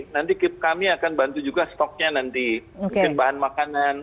nanti kami akan bantu juga stoknya nanti mungkin bahan makanan